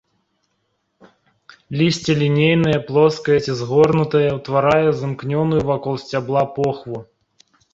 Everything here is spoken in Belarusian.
Лісце лінейнае, плоскае ці згорнутае, утварае замкнёную вакол сцябла похву.